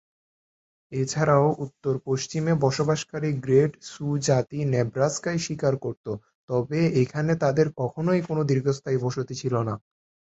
এছাড়াও উত্তর-পশ্চিমে বসবাসকারী গ্রেট সু জাতি নেব্রাস্কায় শিকার করত, তবে এখানে তাদের কখনোই কোনো দীর্ঘস্থায়ী বসতি ছিল না।